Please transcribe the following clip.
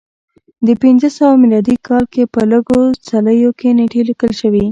د پنځه سوه میلادي کال کې په لږو څلیو کې نېټې لیکل شوې